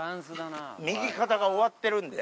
右肩が終わってるんで。